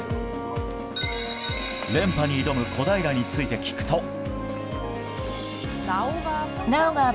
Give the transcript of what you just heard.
連覇に挑む小平について聞くと。